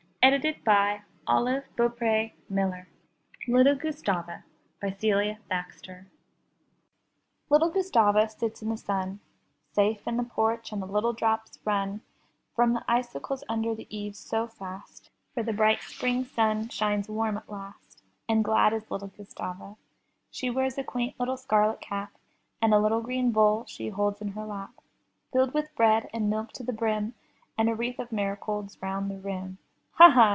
f vj^vp yi LITTLE GUSTAVA* Celia Thaxter Little Gustava sits in the sun, Safe in the porch, and the little drops run From the icicles under the eaves so fast, For the bright spring sun shines warm at last. And glad is little Gustava. She wears a quaint little scarlet cap, And a little green bowl she holds in her lap, Filled with bread and milk to the brim, And a wreath of marigolds round the rim; *'Ha! ha!''